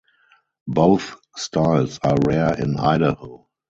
Both styles are rare in Idaho.